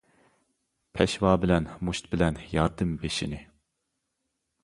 پەشۋا بىلەن مۇشت بىلەن ياردىم بېشىنى.